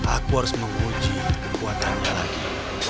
aku harus menguji kekuatannya lagi